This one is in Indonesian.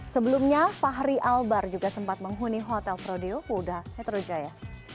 sebelumnya fahri albar juga sempat menghuni hotel prodil polda metro jaya